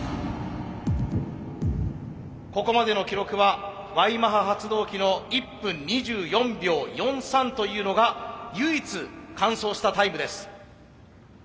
ここまでの記録はＹマハ発動機の１分２４秒４３というのが唯一完走したタイムです。